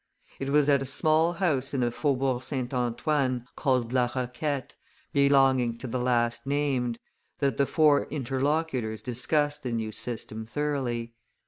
It was at a small house in the faubourg St. Antoine, called La Roquette, belonging to the last named, that the four interlocutors discussed the new system thoroughly.